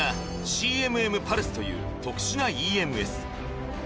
ＣＭＭパルスという特殊なＥＭＳ